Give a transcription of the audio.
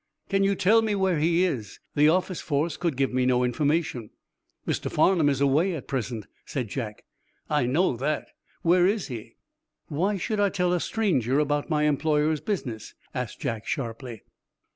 "Can you tell me where he is? The office force could give me no information." "Mr. Farnum is away at present," said Jack. "I know that! Where is he?" "Why should I tell a stranger about my employer's business?" asked Jack sharply.